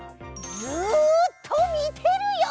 ずっとみてるよ！